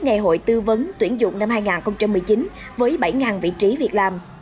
ngày hội tư vấn tuyển dụng năm hai nghìn một mươi chín với bảy vị trí việc làm